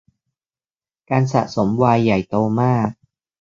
การสะสมไวน์ใหญ่โตมาก